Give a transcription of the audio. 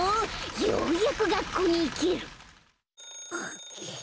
ようやくがっこうにいける！